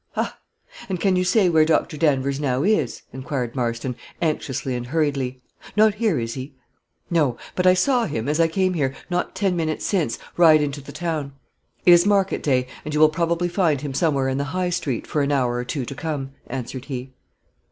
"Ha! And can you say where Dr. Danvers now is?" inquired Marston, anxiously and hurriedly. "Not here, is he?" "No; but I saw him, as I came here, not ten minutes since, ride into the town. It is market day, and you will probably find him somewhere in the high street for an hour or two to come," answered he.